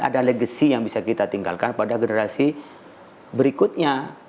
ada legacy yang bisa kita tinggalkan pada generasi berikutnya